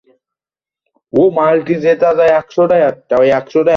দুপুর দুইটার দিকে ভোটারদের বের করে দিয়ে গেট আটকে দেওয়া হয়।